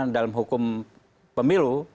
dalam hukum pemilu